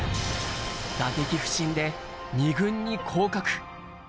打撃不振で、２軍に降格。